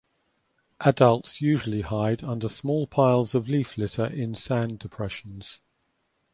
Adults usually hide under small piles of leaf litter in sand depressions.